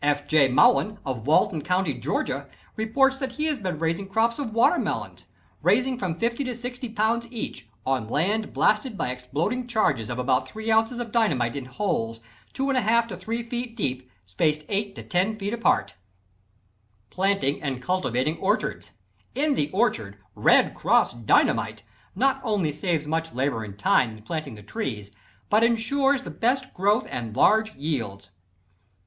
F. G. Moughon, of Walton County, Georgia, reports that he has been raising crops of watermelons, weighing from 50 to 60 pounds each, on land blasted by exploding charges of about 3 ounces of dynamite in holes 2 1/2 to 3 feet deep, spaced 8 to 10 feet apart. Planting and Cultivating Orchards. In the orchard "Red Cross" Dynamite not only saves much labor and time in planting the trees, but ensures the best growth and large yields.